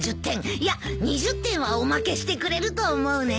いや２０点はおまけしてくれると思うね。